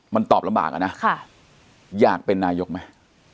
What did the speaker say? มันตอบลำบากอะนะอยากเป็นนายกไหม